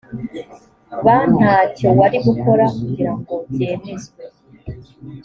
ba nta cyo wari gukora kugira ngo byemezwe